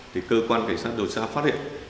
thì cơ quan cảnh sát điều tra phát hiện